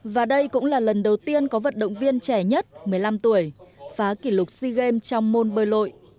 và đây cũng là lần đầu tiên có vận động viên trẻ nhất một mươi năm tuổi phá kỷ lục sea games trong môn bơi lội